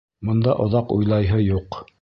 Бында оҙаҡ уйлайһы юҡ.